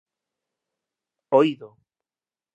Oído.